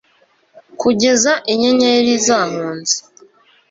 Kugeza inyenyeri zahunze